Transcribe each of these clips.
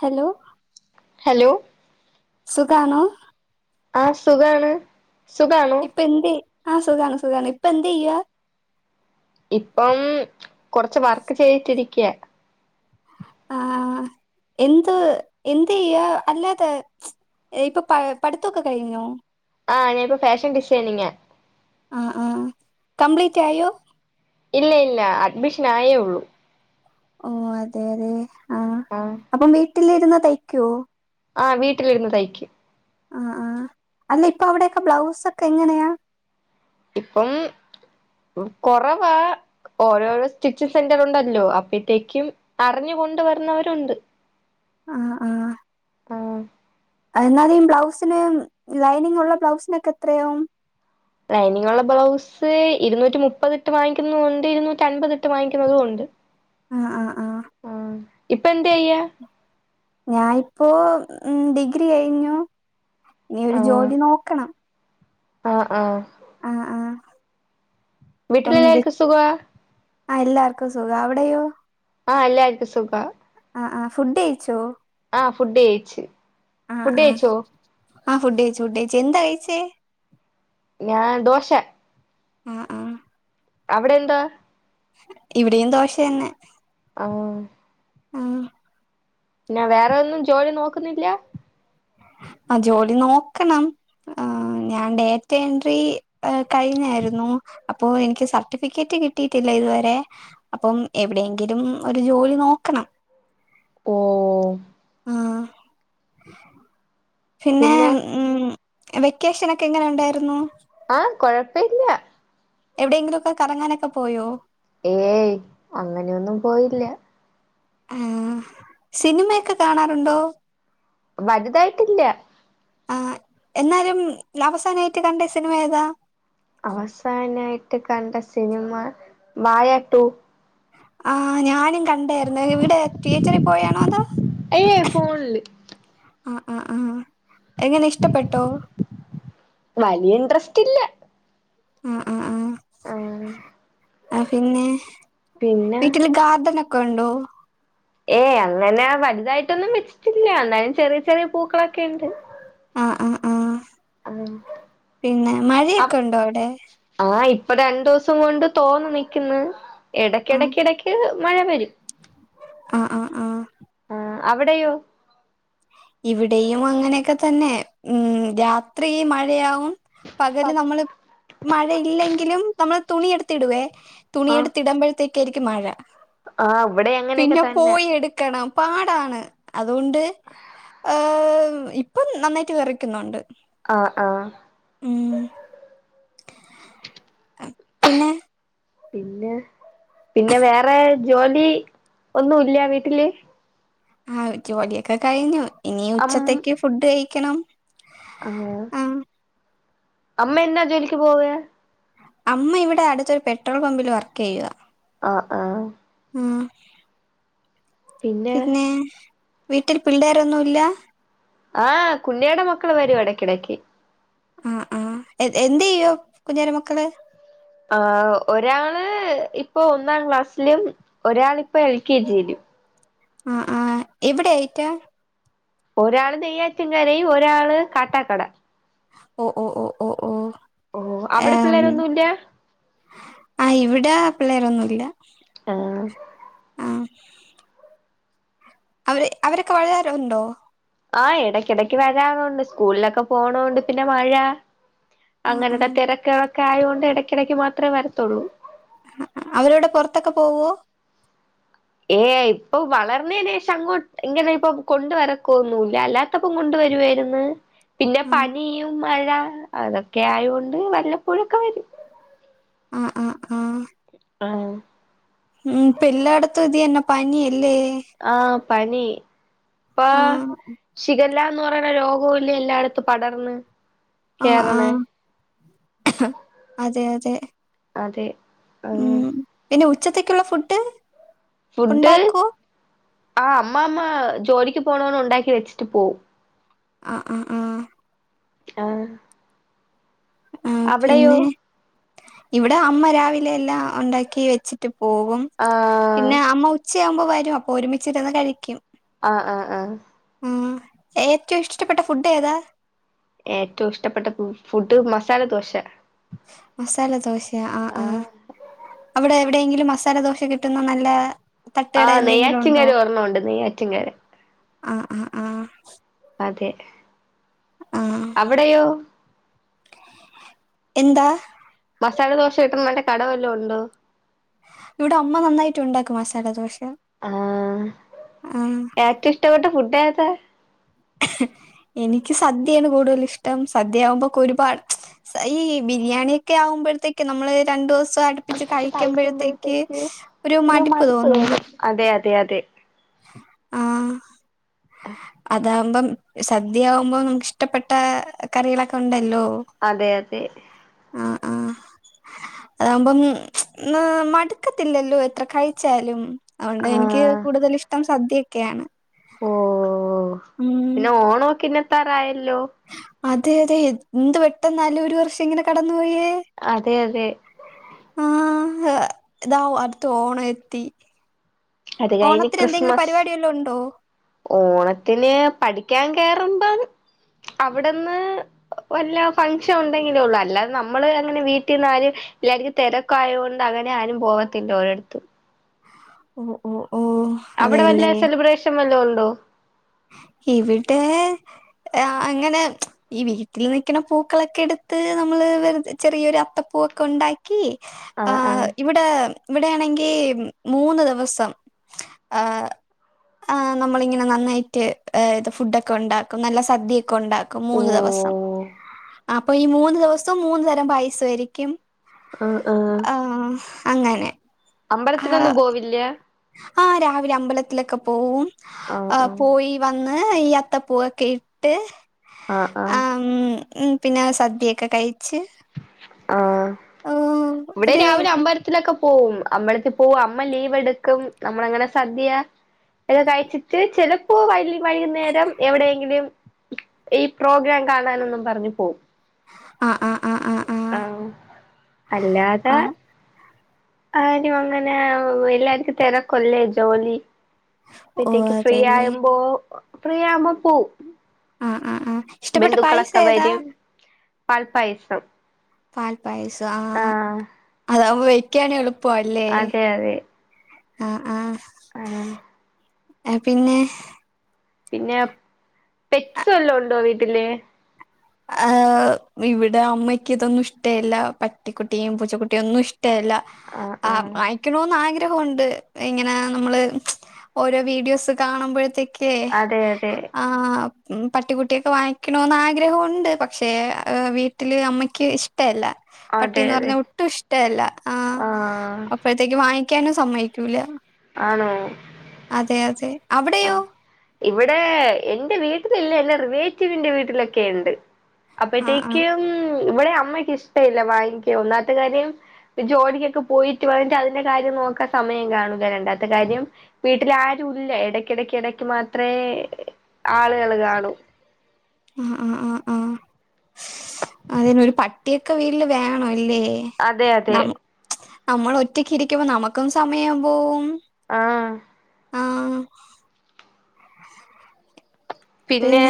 Hello hello സുഖണോ? ആഹ്‌, സുഖാണ്. സുഖാണോ? ഇപ്പ എന്ത്, ആഹ്‌, സുഖാണ് സുഖണ് ഇപ്പൊ എന്ത് ചെയ്യാ ഇപ്പം കൊറച്ച് വർക്ക് ചെയ്തിട്ടിരിക്കയ ആഹ്‌ എന്ത് എന്ത് ചെയ്യ അല്ലാതെ ഇപ്പ പ, പഠിത്തൊക്കെ കഴിഞ്ഞോ? ആഹ്‌ ഞാനിപ്പോ ഫാഷൻ ഡിസൈനിങ്ങാ ആഹ്‌ ആഹ്‌ കംപ്ലീറ്റ് ആയോ? ഇല്ല ഇല്ല അഡ്മിഷൻ ആയേ ഉള്ളൂ ഓ അതെ അതെ ആഹ ആഹ്‌ അപ്പം വീട്ടിലിരുന്ന് തയ്ക്കുവോ? ആഹ്‌ വീട്ടിലിരുന്ന് തയ്ക്കും ആഹ്‌ ആഹ്‌ അല്ല ഇപ്പൊ അവിടെൊക്കെ ബ്ലൗസ് ഒക്കെ എങ്ങനെയാ? ഇപ്പം കൊറവാ ഓരോഓരോ സ്റ്റിച്ചിങ് സെന്റർ ഉണ്ടല്ലോ അപ്പഴത്തേക്കും അറിഞ്ഞ കൊണ്ട് വരുന്നവരുണ്ട് ആഹ്‌ ആഹ്‌ ആഹ്‌ എന്നാല ഈ ബ്ലൗസിന് ലൈനിങ്ള്ള ബ്ലൗസിനൊക്കെ എത്രയാവും ലൈനിങ്ങ ഉള്ള ബ്ലൗസ് ഇരുന്നൂറ്റി മുപ്പതിട്ട് വാങ്ങിക്കുന്നതും ഉണ്ട് ഇരുന്നൂറ്റി അൻപതി ഇട്ട് വാങ്ങിക്കുന്നതും ഉണ്ട്. ആഹ്‌ ആഹ്‌ ആഹ്‌ ഇപ്പ എന്ത് ചെയ്യ ഞാനിപ്പോ ഉം. ഡിഗ്രി കഴിഞ്ഞു ഇനി ഒരു ജോലി നോക്കണം. ആഹ്‌ ആഹ്‌ ആഹ്‌ ആഹ്‌ വീട്ടിലെല്ലാർക്കും സുഖ ആഹ്‌ എല്ലാർക്കും സുഖ അവിടെയോ? ആഹ് എല്ലാർക്കും സുഖ ആഹ്‌ ആഹ്‌ ഫുഡ് കഴിച്ചോ? ആഹ്‌ ഫുഡ് കഴിച്ച്. ഫുഡ് കഴിച്ചോ? ആഹ്‌ ഫുഡ് കഴിച്ചു ഫുഡ് കഴിച് എന്താ കഴിച്ചേ? ഞാൻ ദോശ. [unintelligible] അവിടെ എന്താ ഇവിടെയും ദോശ തന്നെ. ആഹ്‌ ആഹ്‌ പിന്നെ, വേറെ ഒന്നും ജോലി നോക്കുന്നില്ല. ആഹ്‌, ജോലി നോക്കണം. ആഹ്‌, ഞാൻ ഡേറ്റ് എൻട്രി കഴിഞ്ഞായിരുന്നു. അപ്പൊ, എനിക്ക് സർട്ടിഫിക്കറ്റ് കിട്ടിയിട്ടില്ല ഇതുവരെ. അപ്പം എവിടെയെങ്കിലും ഒരു ജോലി നോക്കണം. ഓ ആഹ്. പിന്നെ ഉം വെക്കേഷനക്കെ എങ്ങനെ ഉണ്ടായിരുന്നു? ആഹ് കൊഴപ്പല്ല്യാ. എവിടെയെങ്കിലും ഒക്കെ കറങ്ങാനൊക്കെ പോയോ? ഏയ് അങ്ങനെയൊന്നും പോയില്ല. ആഹ് സിനിമയൊക്കെ കാണാറുണ്ടോ? വലുതായിട്ടില്ല. ആഹ് എന്നാലും അവസാനായിട്ട് കണ്ട സിനിമ ഏതാ? അവസാനായിട്ട് കണ്ട സിനിമ വായ റ്റു. ആഹ് ഞാനും കണ്ടാരുന്നു ഇവിടെ ട്ടീയേറ്ററിൽ പോയാണോ ന്തോ. അയ്യേ ഫോണില് ആ ആ ആ എങ്ങനെ ഇഷ്ടപ്പെട്ടോ? വലിയ ഇൻട്രസ്റ്റ് ഇല്ല. ആ ആ ആ ആഹ് ആ പിന്നെ പിന്നെ വീട്ടില് ഗാർഡനൊ കണ്ടോ? ഏയ് അങ്ങനെ വലുതായിട്ടൊന്നും വെച്ചിട്ടില്ല എന്നാലും ചെറിയ ചെറിയ പൂക്കളൊക്കെണ്ട്. ആ ആ ആഹ് ആഹ് പിന്നെ അ മഴയൊക്കെ ഉണ്ടോ അവിടെ ആഹ് ഇപ്പൊ രണ്ടൂസം കൊണ്ട് തോന്ന് നിക്ക്ന്ന് ആഹ് എടക്കിടക്കിടക്ക് മഴ വരും. ആ ആ ആഹ്. ആഹ് അവടെയോ? ഇവിടെയും അങ്ങനെയൊക്കെ തന്നെ ഉം രാത്രി മഴയാകും. പകല് പകൽ നമ്മള് മഴയില്ലെങ്കിലും നമ്മള് തുണിഎടുത്തിടുവേ ആഹ് തുണിയെടുത്തിടുമ്പഴ് ത്തക്കായിരിക്കും മഴ. ആഹ് വടി അങ്ങനെയൊക്കെ തന്നെ. ക്കണം പാടാണ് അതുകൊണ്ട് ഇപ്പം നന്നായിട്ട് വേറക്കുന്നുണ്ട്. ആഹ് ആഹ്. ഉം പിന്നെ? പിന്നെ പിന്നെ വേറെ ജോലി ഒന്നുംല്ല്യേ വീട്ടില്? ആഹ് ജോലിയൊക്കെ കഴിഞ്ഞു ഇനി അം ഉച്ചത്തേക്ക് ഫുഡ് കഴിക്കണം. ആഹ് അമ്മ എന്നാ ജോലിക്ക് പോവ്വാ? അമ്മ ഇവിടെ അടുത്തൊരു പെട്രോൾ പമ്പില് വർക്ക്യ്യാ. ആ ആഹ്. ഉം പിന്നെ വീട്ടിൽ പിള്ളോരൊന്നുല്ലാ? ആഹ് കുഞ്ഞേടെ മക്കള് വരും എടക്കിടക്ക്. അ ആഹ് എ എന്ത്യ്യും കുൻഞ്ഞേര മക്കള്? ആഹ് ഒരാള് ഇപ്പൊ ഒന്നാം ക്ലാസ്സ്ലും ഒരാളിപ്പൊ എൽ കെ ജിയിലും. ആഹ് ആഹ് എവിടെ ആയിറ്റാ? ഒരാള് നെയ്യാറ്റ് കരയും ഒരാള് കാട്ടാക്കട. ഓ ഓ ഓ ഓ ഓ ഓഹ് അവടെ ഏഹ് പിള്ളേരൊന്നുല്ലാ. ആഹ് ഇവിടെ പിള്ളേരൊന്നുല്ല ആഹ് ആഹ് അവര് അവരൊക്കെ വരാറ് ഉണ്ടോ ആഹ് ഇടയ്ക്കിടക്ക് വരാറുണ്ട് സ്കൂളിലൊക്കെ പോണോണ്ട് പിന്നെ മഴ ആഹ് അങ്ങനത്തെ ആഹ് തിരക്ക് കളൊക്കെ ആയോണ്ട് എടയ്ക്കിടക്ക് മാത്രമേ വരത്തുള്ളൂ അവരവിടെ പൊറത്തൊക്കെ പോവോ ഏഹ് ഇപ്പൊ വളർന്നേനേശം അങ്ങോ ഇങ്ങനെ ഇപ്പൊ കൊണ്ട് നടക്കോന്നുല്ല അല്ലാ ത്തപ്പം കൊണ്ട് വരുവായിരുന്ന് പിന്നെ ആഹ് പനിയും മഴ അതൊക്കെ ആയോണ്ട് വല്ലപ്പോഴൊക്കെ വരും ആഹ് ആഹ് ആഹ് ആഹ് ഉം ഇപ്പെല്ലാടത്തും ഇത് ന്നെ പനി അല്ലേ ആഹാ പനി ഇപ്പാ ആഹ് ശിഗല്ലാന്ന് പറയ്ണ രോഗവുല്ലേ എല്ലായിടത്തും പടർന്ന് ആഹ് കേറ്ണേ ആഹ് അതെ അതെ അതെ ആ ഉം പിന്നെ ഉച്ചത്തേക്കുള്ള ഫുഡ് ഫുഡ് ഉണ്ടാക്കോ ആഹ് അമ്മാമ്മ ജോലിക്ക് പോണോട് ഉണ്ടാക്കി വെച്ചിട്ട് പോവും ആഹ് ആഹ് ആഹ് ആഹ് ആഹ് പിന്നെ ഇവിടെ അമ്മ രാവിലെ എല്ലാം ഉണ്ടാക്കി വെച്ചി ട്ട് പോകും ആ പിന്നെ അമ്മ ഉച്ചയാകുമ്പോ വരും അപ്പൊ ഒരുമിച്ചിരുന്ന് കഴിക്കും ആഹ് ആഹ് ആഹ് ഉം ഏറ്റവും ഇഷ്ടപ്പെട്ട ഫുഡ് ഏതാ ഏറ്റവും ഇഷ്ടപ്പെട്ട ഫുഡ് മസാല ദോശ മസാല ദോശേ ആഹ് ആ ആഹ് അവിടെ എവിടെയെങ്കിലും മസാല ദോശ കിട്ടുന്ന നല്ല തട്ടുകട ആഹ് എന്തെങ്കിലും ഉണ്ടോ നെയ്യാറ്റിൻകര ഒർണൊണ്ട് നെയ്യാറ്റിൻകര ആഹ് ആഹ് ആഹ് അതെ ആഹ് അവ്ടെയോ എന്താ മസാല ദോശ കിട്ട്ണ കടവല്ലോം ഉണ്ടോ ഇവിടെ അമ്മ നന്നായിട്ട് ഉണ്ടാക്കും മസാല ദോശ ആഹ് ആഹ് ഏറ്റവും ഇഷ്ടപ്പെട്ട ഫുഡ്‌ ഏതാ എനിക്ക് സദ്യയാണ് കൂടുതൽ ഇഷ്ടം സദ്യയാവുമ്പോക്കെ ഒരുപാ ഈ ബിരിയാണിയൊക്കെ ആവുമ്പഴത്തേക്ക് നമ്മള് രണ്ടൂ സോ അടുപ്പിച്ച് കഴിക്കുമ്പോഴത്തേക്ക് ഒരു മടിപ്പ് മടുപ്പ് തോന്നൂല്ലേ തോന്നും അതെ അതെ അതെ ആഹ് ആഹ് അതാവുമ്പം സദ്യയാവുമ്പോ നമുക്ക് ഇഷ്ടപ്പെട്ട കറികളൊക്കെ ഉണ്ടല്ലോ അതെ അതെ ആഹ് ആഹ് അതാവുമ്പം മടുക്കത്തില്ലല്ലോ എത്ര കഴിച്ചാലും അവോണ്ട് എനിക്ക് ആ കൂടുതൽ ഇഷ്ടം സദ്യൊക്കെയാണ് ഓഹ് പിന്നെ ഓണൊക്കെ ഇങ്ങെത്താറായല്ലോ അതെ അതെ എന്ത് പെട്ടെന്നാലെ ഒരു വർഷം ഇങ്ങനെ കടന്നു പോയേ അതെ അതെ ആ ഇതാവും അടുത്ത ഓണം എത്തി അത് കഴിഞ്ഞ് ഓണത്തിന് എന്തെങ്കിലും ക്രിസ്മസ് പരിപാടി വല്ലോം ഉണ്ടോ ഓണത്തിന് പഠിക്കാൻ കേറുമ്പം അവിടെന്ന് വല്ല ഫംഗഷൻ ഉണ്ടെങ്കിലേ ഉള്ളു അല്ലാതെ നമ്മള് അങ്ങനെ വീട്ടിന്ന് ആരും എല്ലായിരിക്കും തിരക്കായത്കോണ്ട് അങ്ങനെ ആരും പോകത്തില്ല ഓരിടത്തും ഓഹ് അവിടെ വല്ല സെലിബ്രേഷൻ വല്ലതൊണ്ടോ ഇവിടെ ആ അങ്ങനെ ഈ വീട്ടിൽ നിൽക്കുന്ന പൂക്കളൊക്കെ എടുത്ത് നമ്മള് വെറുതെ ചെറിയൊരു അത്തപ്പൂകളൊക്കെ ഇണ്ടാക്കി ആഹ് ഇവിടെ ടെ ഇവിടെയാണെങ്കി മൂന്ന് ദിവസം ആഹ് ആഹ് നമ്മളിങ്ങനെ നന്നായി റ്റ് ഇത് ഫുഡൊക്കെ ഒണ്ടാക്കും നല്ല സദ്യേക്കെ ഒണ്ടാക്കും മൂന്ന് ദിവസം ഓ അപ്പൊ ഈ മൂന്ന് ദിവസോം മൂന്ന് തരം പായസാരിക്കും ആഹ് അങ്ങനെ ആഹ് അമ്പലത്തിലൊന്നും പോവില്ല ആഹ് രാവിലെ അമ്പലത്തിലൊക്കെ പോവും ആഹ് ആഹ് പോയി വന്ന് ഈ അത്തപൂവൊക്കെ ഇട്ട് ആഹ് ആഹ് ആഹ് പിന്നെ സദ്യെക്കെ കഴിച്ച് ആഹ് ഉം ഇവിടെ രാവിലെ അമ്പര ത്തിലൊക്ക പോവും അമ്പളത്തി പോവും അമ്മ ലീവ് എടുക്കും നമ്മളങ്ങനെ സദ്യാ കഴിച്ചിട്ട് ചെലപ്പോ വല്ല വൈകുന്നേരം എവിടെയെങ്കിലും ഈ പ്രോഗ്രാം കാണാനെന്നും പറഞ്ഞ് പോം ആഹ് ആഹ് ആഹ് ആഹ് ആഹ് അല്ലാത ആഹ് ആരു അങ്ങനെ എല്ലാർക്കും തെരക്കൊല്ലേ ജോലി ഓഹ് പ്പത്തേക്ക് ഫ്രീ അതെല്ലേ ആയുമ്പോ ഫ്രീ ആമ്പൊ പോം ആഹ് ആഹ് ആഹ് ഇഷ്ടപ്പെട്ട പായസം ഏതാ പാൽപായസം പാൽപായസം ആഹ് അതാവുമ്പൊ വെക്കാനു എളുപ്പാല്ലേ അതെ അതെ ആഹ് ആഹ് ആഹ് ആഹ് പിന്നെ പിന്നെ പെറ്റ്സ് വെല്ലോ ഒണ്ടോ വീട്ടില് ആഹ് ഇവിടെ അമ്മയ്ക്ക് ഇതൊന്നും ഇഷ്ടില്ല പട്ടിക്കുട്ടിയും പൂച്ചക്കുട്ടിയും ഒന്നും ഇഷ്ട ട്ടേല്ല ആഹ് വാങ്ങിക്കണോന്ന് ആഗ്രഹവൊണ്ട് ഇങ്ങന നമ്മള് ഓരോ വീഡിയോസ് കാണുമ്പഴത്തേക്ക് ക്കെ അതെ അതെ ആഹ് പട്ടികുട്ടിയൊക്കെ വാങ്ങിക്കണോന്ന് ആഗ്രഹവൊ ണ്ട് പക്ഷേ വീട്ടില് അമ്മയ്ക്ക് ഇഷ്ടല്ല അതെ പട്ടീന്ന് അതെ പറഞ്ഞാ ഒട്ടും ഇഷ്ടല്ല ആഹ് അപ്പഴ്ത്തേക്ക് വാങ്ങിക്കാനും സമ്മയിക്കൂല്ല ആണോ അതെ അതെ അവ്ടെയോ ഇവ്ടേ എന്റെ വീട്ടിലില്ല എന്റെ റിലേറ്റീവിന്റെ വീട്ടിലൊക്കെണ്ട് ആ ആ അപ്പത്തേക്കും ഇവ്ടെ അമ്മയ്ക്ക് ഇഷ്ടവില്ല വാങ്ങിക്ക ഒന്നാത്തെ കാര്യം ജോലിക്കൊക്കെ പോയിട്ട് വന്ന്ട്ട് അതിന്റെ കാര്യം നോക്കാൻ സമയം കാണൂല്ല രണ്ടാത്തെ കാര്യം വീട്ടില് ആരൂല്ല എടക്കെടക്ക് എടക്ക് മാത്രേ ആളുകള് കാണു ആഹ് ആഹ് ആഹ് ആഹ് അതിനൊര് പട്ടിയൊക്കെ വീട്ടില് വേണൊല്ലേ അതെ അതെ നമ്മളൊറ്റക്കിരിക്കുമ്പൊ നമക്കും സമയം പോവും ആഹ് ആഹ് പിന്നേ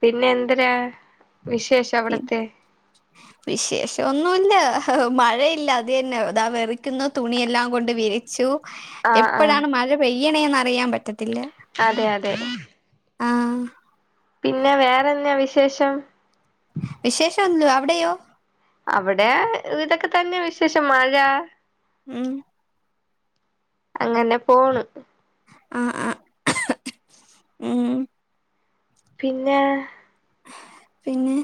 പിന്നെ എന്തെരാ വിശേഷം പി അവിട്ത്തെ വിശേഷം ഒന്നൂല്ല മഴയില്ല അത് തന്നെ ഇതാ വെറിക്കുന്നു തുണിയെല്ലാം കൊണ്ട് വിരി ച്ചു ആഹ് ആഹ് എപ്പഴാണ് മഴ പെയ്യ്ണേന്ന് അറിയാ പറ്റത്ത അതെ അതെ ആഹ് പിന്നെ വേറെന്നാ വിശേഷം വിശേഷന്തു അവിടെയോ? അവ്ടെ ഇതൊക്ക തന്നെ വിശേഷം മഴ. ഉം അങ്ങന പോണ്. ആഹ്, ആഹ് ഉം പിന്നെ പിന്നെ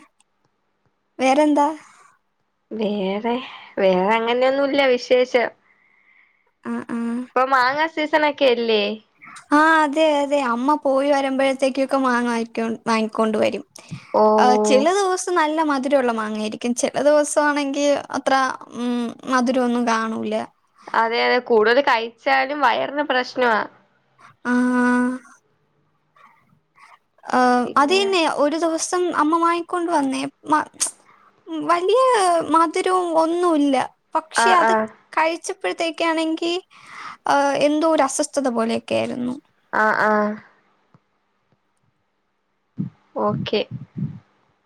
വേറെന്താ? വേറെ വേറെ അങ്ങനെയൊന്നുല്ല വിശേഷം. ആഹ് ആഹ് ഇപ്പൊ മാങ്ങാസീസണൊക്കെ അല്ലേ? ആഹ് അതെ അതെ അമ്മപോയി വരുമ്പോഴത്തേക്കൊക്കെ മാങ്ങ വാങ്ങിക്കോ വാങ്ങിക്കൊണ്ടവരും. ഓ ആഹ് ഓ ചെലെദൂസ് നല്ല മധുരമുള്ള മാങ്ങായിരിക്കും ചെലെ ദിവെസോണെങ്കി അത്ര ഉം മധുരമൊന്നും കാണൂല. അതെ അതെ കൂടുതൽ കഴിച്ചാലും വയറിന് പ്രശ്നവാ. ആഹ് ആഹ് പിന്നെ അതെന്നെ ഒരു ദിവസം അമ്മമാങ്ങിക്കൊണ്ട് വന്നേ മ്മ ഉം വലിയ മധുരവുംഒന്നുല്ല പക്ഷേ ആഹ് അത് ആഹ് കഴിച്ചപ്പോഴ്ത്തേക്കാണെങ്കി എന്തോ ഒരു അസ്വസ്ഥതപോലെക്കെയിരുന്നു. ആഹ് ആഹ് ഓക്കെ